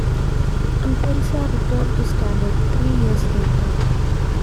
Mpenza returned to Standard three years later.